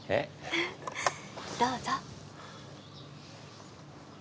どうぞ。